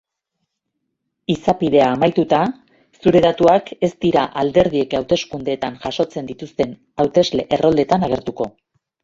Izapidea amaituta, zure datuak ez dira alderdiek hauteskundeetan jasotzen dituzten hautesle-erroldetan agertuko.